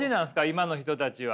今の人たちは。